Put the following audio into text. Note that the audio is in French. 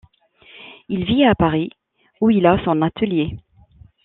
Il vit à Paris où il a son atelier.